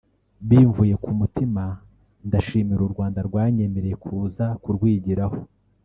bimvuye ku mutima ndashimira u Rwanda rwanyemereye kuza kurwigiraho